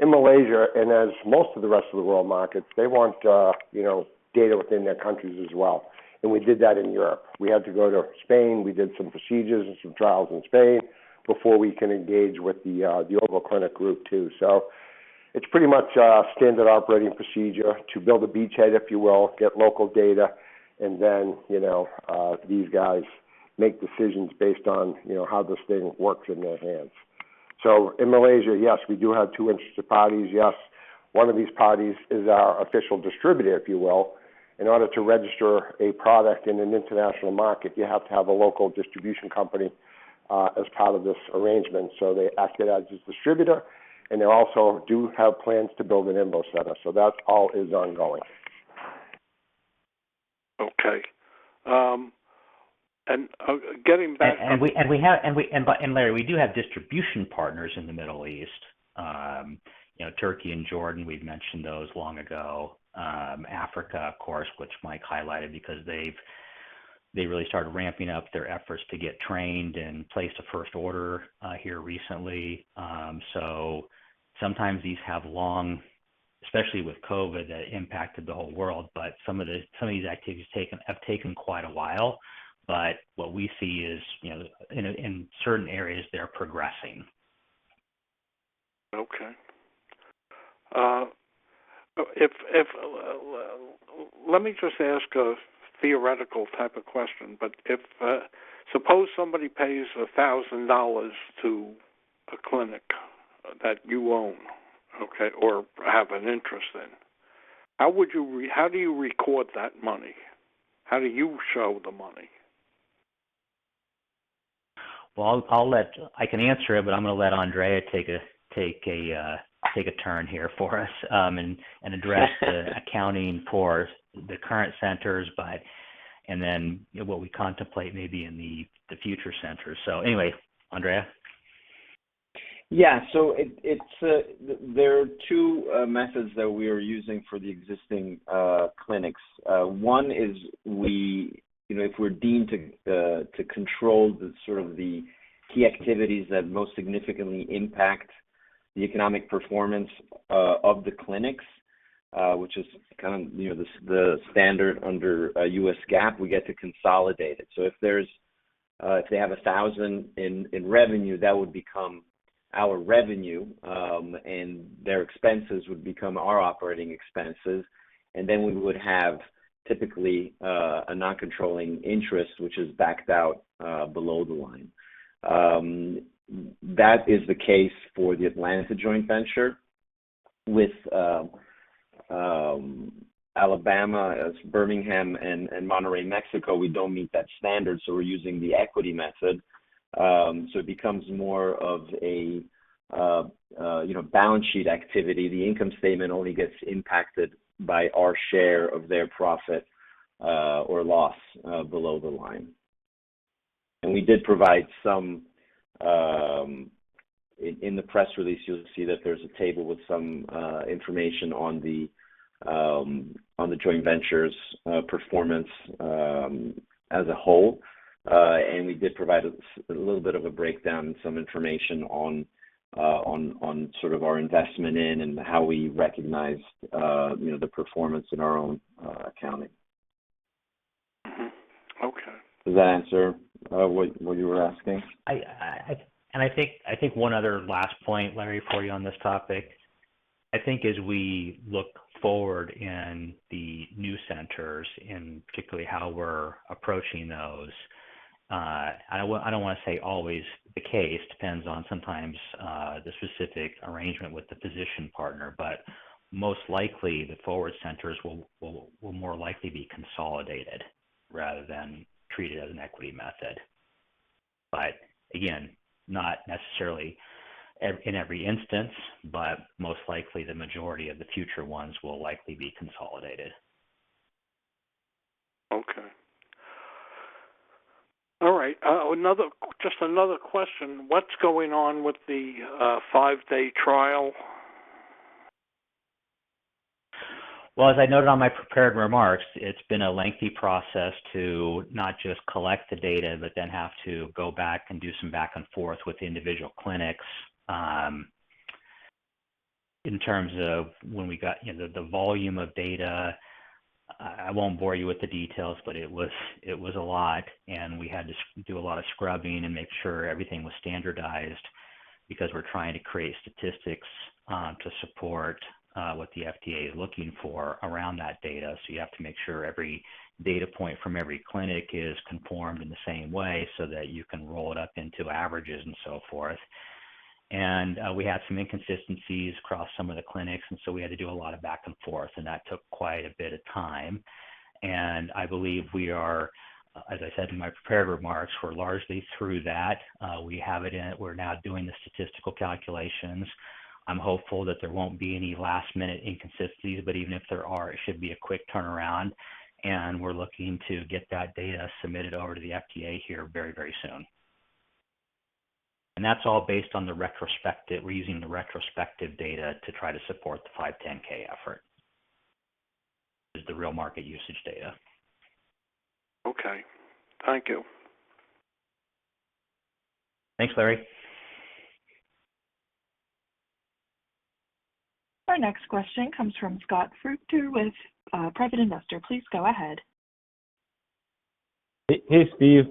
in Malaysia, and as most of the rest of the world markets, they want you know, data within their countries as well. We did that in Europe. We had to go to Spain. We did some procedures and some trials in Spain before we can engage with the Ovoclinic group too. It's pretty much a standard operating procedure to build a beachhead, if you will, get local data, and then you know, these guys make decisions based on you know, how this thing works in their hands. In Malaysia, yes, we do have two interested parties. Yes, one of these parties is our official distributor, if you will. In order to register a product in an international market, you have to have a local distribution company, as part of this arrangement. They act as a distributor, and they also do have plans to build an INVO Center. That all is ongoing. Okay. Getting back. Larry, we do have distribution partners in the Middle East. You know, Turkey and Jordan, we've mentioned those long ago. Africa, of course, which Mike highlighted because they really started ramping up their efforts to get trained and place the first order here recently. Sometimes these activities have taken quite a while, especially with COVID that impacted the whole world. What we see is, you know, in certain areas they're progressing. Okay. Let me just ask a theoretical type of question. If suppose somebody pays $1,000 to a clinic that you own, okay, or have an interest in, how do you record that money? How do you show the money? Well, I can answer it, but I'm gonna let Andrea take a turn here for us, and address the accounting for the current centers, but then what we contemplate maybe in the future centers. Anyway, Andrea. There are two methods that we are using for the existing clinics. One is, you know, if we're deemed to control the sort of the key activities that most significantly impact the economic performance of the clinics, which is kind of, you know, the standard under US GAAP, we get to consolidate it. If they have $1,000 in revenue, that would become our revenue, and their expenses would become our operating expenses. Then we would have typically a non-controlling interest, which is backed out below the line. That is the case for the Atlanta joint venture. With Alabama, Birmingham and Monterrey, Mexico, we don't meet that standard, so we're using the equity method. It becomes more of a, you know, balance sheet activity. The income statement only gets impacted by our share of their profit or loss below the line. We did provide some... In the press release, you'll see that there's a table with some information on the joint venture's performance as a whole. We did provide a little bit of a breakdown and some information on sort of our investment in and how we recognized, you know, the performance in our own accounting. Mm-hmm, okay. Does that answer what you were asking? I think one other last point, Larry, for you on this topic. I think as we look forward in the new centers and particularly how we're approaching those, I don't wanna say always the case, depends on sometimes, the specific arrangement with the physician partner, but most likely, the forward centers will more likely be consolidated rather than treated as an equity method. Again, not necessarily every instance, but most likely the majority of the future ones will likely be consolidated. Okay. All right. Just another question, what's going on with the five-day trial? Well, as I noted on my prepared remarks, it's been a lengthy process to not just collect the data, but then have to go back and do some back and forth with the individual clinics, in terms of when we got, you know, the volume of data. I won't bore you with the details, but it was a lot, and we had to do a lot of scrubbing and make sure everything was standardized because we're trying to create statistics to support what the FDA is looking for around that data. You have to make sure every data point from every clinic is conformed in the same way so that you can roll it up into averages and so forth. We had some inconsistencies across some of the clinics, and so we had to do a lot of back and forth, and that took quite a bit of time. I believe we are, as I said in my prepared remarks, we're largely through that. We're now doing the statistical calculations. I'm hopeful that there won't be any last-minute inconsistencies, but even if there are, it should be a quick turnaround, and we're looking to get that data submitted over to the FDA here very, very soon. That's all based on the retrospective. We're using the retrospective data to try to support the 510(k) effort. Just the real market usage data. Okay. Thank you. Thanks, Larry. Our next question comes from Scott Frucht with Private Investor. Please go ahead. Hey, Steve.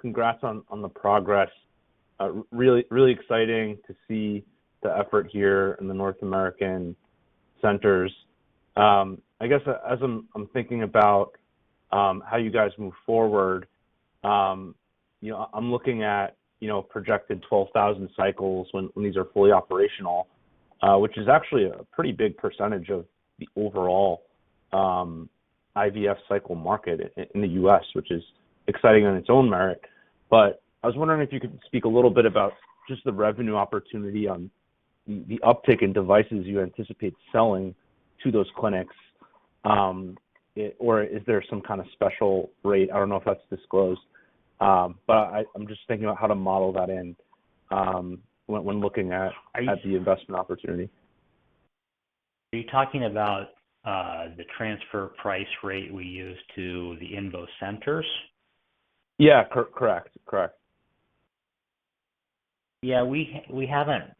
Congrats on the progress. Really exciting to see the effort here in the North American centers. I guess as I'm thinking about how you guys move forward, you know, I'm looking at, you know, projected 12,000 cycles when these are fully operational, which is actually a pretty big percentage of the overall IVF cycle market in the U.S., which is exciting on its own merit. I was wondering if you could speak a little bit about just the revenue opportunity on the uptick in devices you anticipate selling to those clinics, or is there some kind of special rate? I don't know if that's disclosed. I'm just thinking about how to model that in when looking at Are you- the investment opportunity. Are you talking about the transfer price rate we use to the INVO centers? Yeah. Correct. Yeah. We haven't.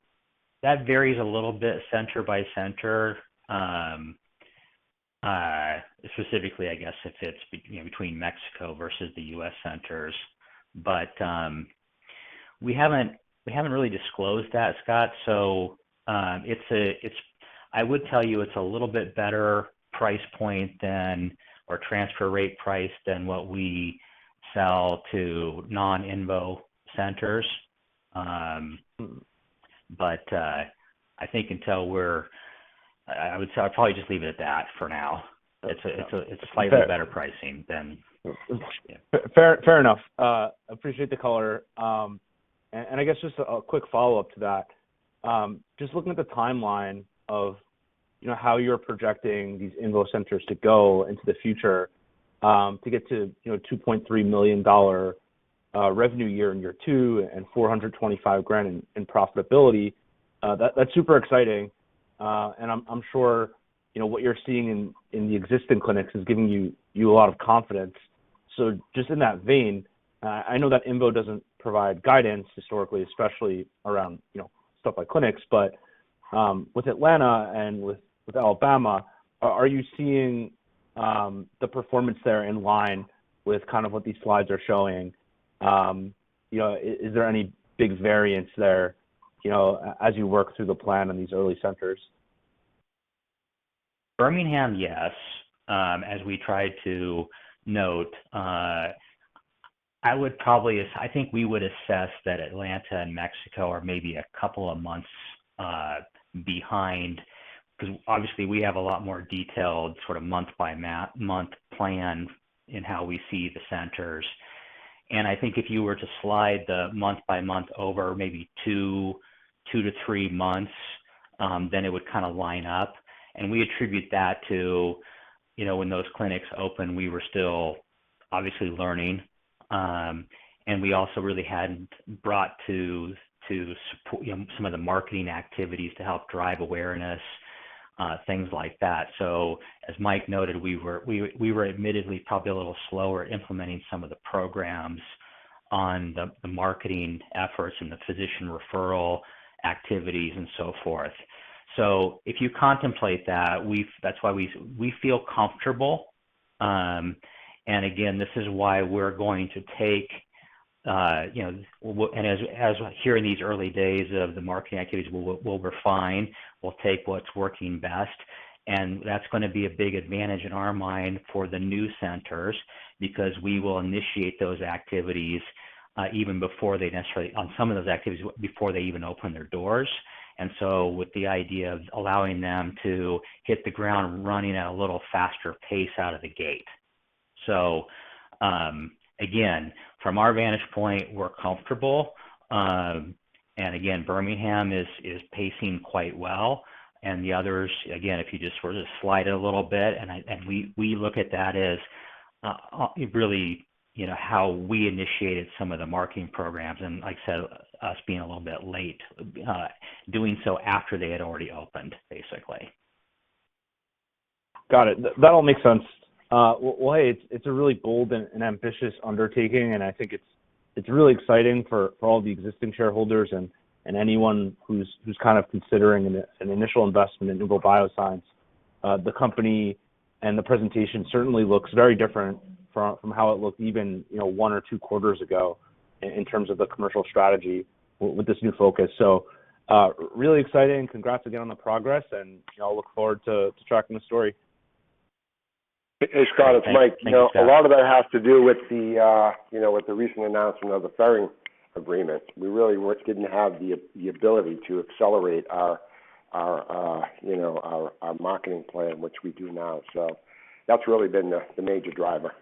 That varies a little bit center by center. Specifically, I guess if it's, you know, between Mexico versus the U.S. centers. We haven't really disclosed that, Scott. I would tell you it's a little bit better price point than or transfer rate price than what we sell to non-INVO centers. I think until we're, I would say I'd probably just leave it at that for now. It's a slightly better pricing than- Fair enough. Appreciate the color. I guess just a quick follow up to that. Just looking at the timeline of, you know, how you're projecting these INVO centers to go into the future, to get to, you know, $2.3 million revenue in year two and $425,000 in profitability, that's super exciting. I'm sure, you know, what you're seeing in the existing clinics is giving you a lot of confidence. Just in that vein, I know that INVO doesn't provide guidance historically, especially around, you know, stuff like clinics. With Atlanta and with Alabama, are you seeing the performance there in line with kind of what these slides are showing? You know, is there any big variance there, you know, as you work through the plan in these early centers? Birmingham, yes, as we try to note. I think we would assess that Atlanta and Mexico are maybe a couple of months behind, 'cause obviously we have a lot more detailed sort of month by month plan in how we see the centers. I think if you were to slide the month by month over maybe two to three months, then it would kinda line up. We attribute that to, you know, when those clinics opened, we were still obviously learning. We also really hadn't brought to you know, some of the marketing activities to help drive awareness, things like that. As Mike noted, we were admittedly probably a little slower implementing some of the programs. On the marketing efforts and the physician referral activities and so forth. If you contemplate that's why we feel comfortable. Again, this is why we're going to take and as we're hearing these early days of the marketing activities, we'll refine, we'll take what's working best, and that's gonna be a big advantage in our mind for the new centers because we will initiate those activities on some of those activities before they even open their doors with the idea of allowing them to hit the ground running at a little faster pace out of the gate. Again, from our vantage point, we're comfortable. Again, Birmingham is pacing quite well. The others, again, if you just were to slide a little bit and we look at that as really, you know, how we initiated some of the marketing programs and like I said, us being a little bit late doing so after they had already opened, basically. Got it. That all makes sense. Well, it's a really bold and ambitious undertaking, and I think it's really exciting for all the existing shareholders and anyone who's kind of considering an initial investment in INVO Bioscience. The company and the presentation certainly looks very different from how it looked even, you know, one or two quarters ago in terms of the commercial strategy with this new focus. Really exciting. Congrats again on the progress and, you know, I'll look forward to tracking the story. Thanks. Hey, Scott, it's Mike. Thank you, sir. You know, a lot of that has to do with the you know, with the recent announcement of the Ferring agreement. We really didn't have the ability to accelerate our marketing plan, which we do now. That's really been the major driver.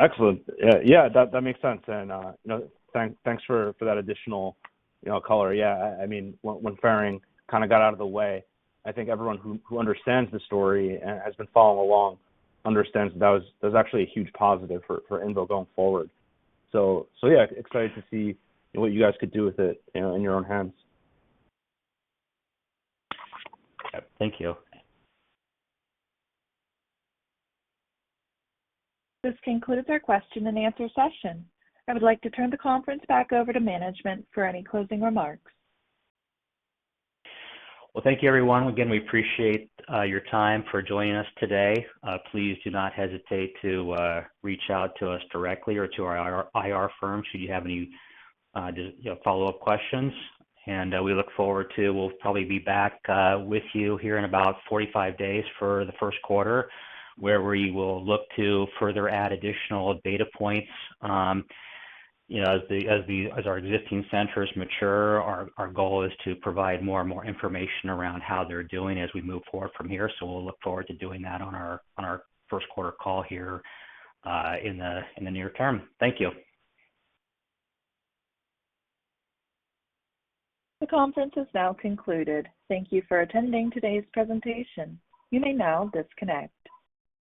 Excellent. Yeah, that makes sense. You know, thanks for that additional, you know, color. Yeah, I mean, when Ferring kind of got out of the way, I think everyone who understands the story and has been following along understands that was actually a huge positive for INVO going forward. Yeah, excited to see what you guys could do with it, you know, in your own hands. Thank you. This concludes our question and answer session. I would like to turn the conference back over to management for any closing remarks. Well, thank you everyone. Again, we appreciate your time for joining us today. Please do not hesitate to reach out to us directly or to our IR firm should you have any just you know follow up questions. We look forward to. We'll probably be back with you here in about 45 days for the first quarter, where we will look to further add additional data points. You know, as our existing centers mature, our goal is to provide more and more information around how they're doing as we move forward from here. We'll look forward to doing that on our first quarter call here in the near term. Thank you. The conference is now concluded. Thank you for attending today's presentation. You may now disconnect.